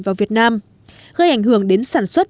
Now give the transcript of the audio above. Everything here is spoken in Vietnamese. vào việt nam gây ảnh hưởng đến sản xuất